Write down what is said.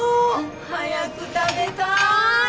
早く食べたい！